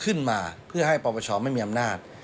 ขึ้นมาเพื่อให้ประวัติศาสตร์ไม่มีอำนาจ